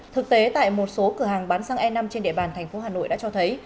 thực tế tại một số cửa hàng bán xăng e năm trên địa bàn thành phố hà nội đã cho thấy